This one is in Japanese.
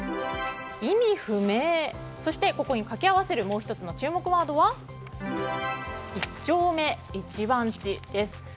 意味不明そしてここに掛け合わせるもう１つの注目ワードは一丁目一番地です。